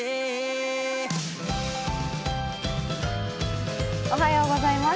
わぁおはようございます。